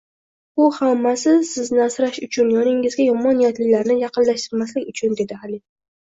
Bu hammasi sizni asrash uchun, yoningizga yomon niyatlilarni yaqinlashtirmaslik uchun, dedi Ali